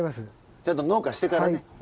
ちゃんと農家してからね。